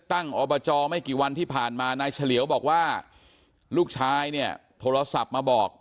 อบจไม่กี่วันที่ผ่านมานายเฉลียวบอกว่าลูกชายเนี่ยโทรศัพท์มาบอก